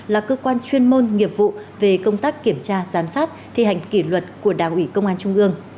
là cơ quan chuyên môn nghiệp vụ về công tác kiểm tra giám sát thi hành kỷ luật của đảng ủy công an trung ương